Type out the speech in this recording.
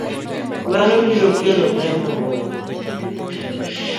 Mano biro kelo ber mang'eny